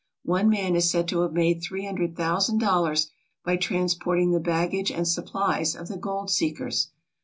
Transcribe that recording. One man is said to have made three hundred thousand dollars by trans porting the baggage and supplies of the gold seekers.